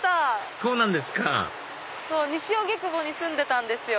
そうなんですか西荻窪に住んでたんですよ。